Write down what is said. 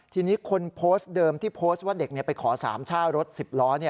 ทีนี้คนโพสต์เดิมที่โพสต์ว่าเด็กไปขอสามช่ารถ๑๐ล้อ